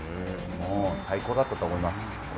もう最高だったと思います。